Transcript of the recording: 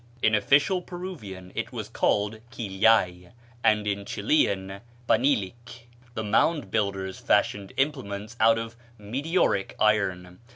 In official Peruvian it was called quillay, and in Chilian panilic. The Mound Builders fashioned implements out of meteoric iron.